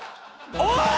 おい！